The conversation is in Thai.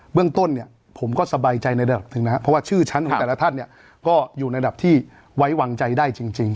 เรื่องต้นเนี่ยผมก็สบายใจในระดับหนึ่งนะครับเพราะว่าชื่อชั้นของแต่ละท่านเนี่ยก็อยู่ในระดับที่ไว้วางใจได้จริง